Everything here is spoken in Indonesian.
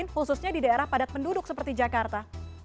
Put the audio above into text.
khususnya di daerah padat penduduk seperti jakarta